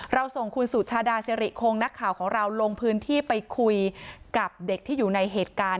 ส่งคุณสุชาดาสิริคงนักข่าวของเราลงพื้นที่ไปคุยกับเด็กที่อยู่ในเหตุการณ์